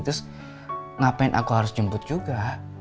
terus ngapain aku harus jemput juga